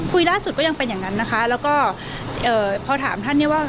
ล่าสุดก็ยังเป็นอย่างนั้นนะคะแล้วก็เอ่อพอถามท่านเนี่ยว่า